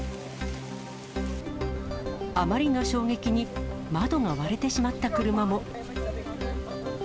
あまりの衝撃に、窓が割れてしまった車も。